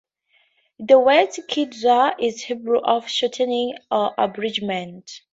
The word "kitzur" is Hebrew for shortening or abridgment.